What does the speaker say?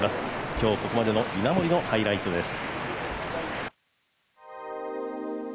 今日ここまでの稲森のハイライトです。